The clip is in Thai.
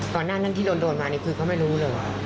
หน้านั้นที่โดนมานี่คือเขาไม่รู้เลย